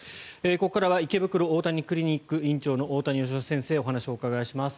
ここからは池袋大谷クリニックの院長大谷義夫先生にお話を伺います。